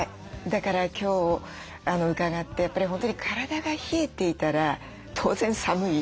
だから今日伺ってやっぱり本当に体が冷えていたら当然寒い。